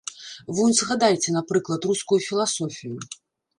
Вунь згадайце, напрыклад, рускую філасофію.